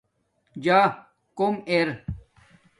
جاکݸم ارے